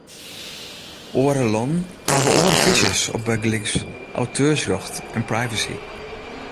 Oare lannen hawwe oare fyzjes op bygelyks auteursrjocht en privacy.